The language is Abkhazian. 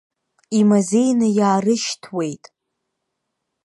Имазеины иаарышьҭуеит.